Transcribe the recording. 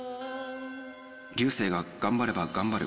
流星が頑張れば頑張る分。